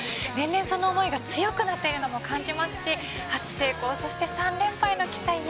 年々その思いが強くなってるのも感じますし初成功そして３連覇への期待